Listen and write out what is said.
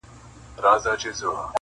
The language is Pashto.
څو شپې ورځي وو په غره کي ګرځېدلی-